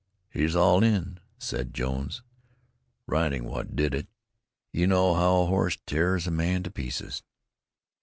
"He's all in," said Jones. "Riding's what did it You know how a horse tears a man to pieces."